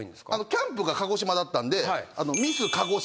キャンプが鹿児島だったんで。